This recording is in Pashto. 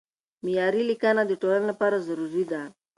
معیاري لیکنه د ټولنې لپاره ضروري ده.